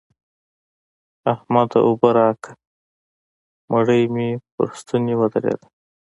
احمده! اوبه راکړه؛ مړۍ مې په ستونې ودرېده.